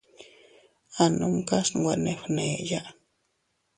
A numkas nwe ne fgneya.